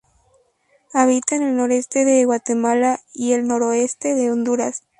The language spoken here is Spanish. Habita en el noreste de Guatemala y el noroeste de Honduras.